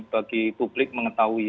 bagi publik mengetahui